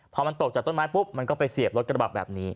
พอมันตกจากต้นไม้ปุ๊บมันก็ไปเสียบรถกระบะแบบนี้